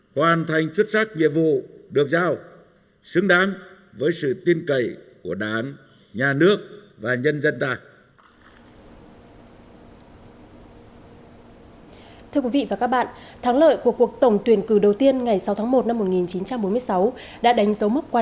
hoàn thành xuất sắc nhiệm vụ được giao xứng đáng với sự tin cậy của đảng nhà nước và nhân dân ta